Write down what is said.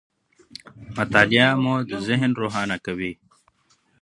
مطالعه مو ذهن روښانه کوي.